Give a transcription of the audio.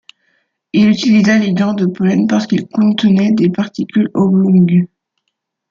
Il utilisa les grains de pollen parce qu'ils contenaient des particules oblongues.